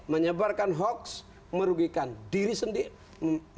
menyebarkan hoax merugikan diri sendiri